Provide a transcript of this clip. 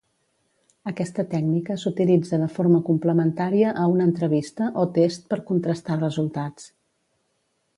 Aquesta tècnica s’utilitza de forma complementària a una entrevista o test per contrastar resultats.